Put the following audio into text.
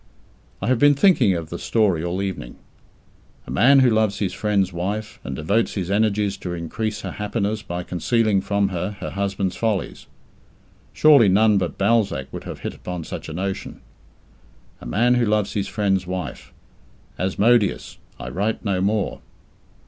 I have been thinking of the story all evening. A man who loves his friend's wife, and devotes his energies to increase her happiness by concealing from her her husband's follies! Surely none but Balzac would have hit upon such a notion. "A man who loves his friend's wife." Asmodeus, I write no more!